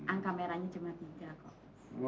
angka merahnya cuma tiga kok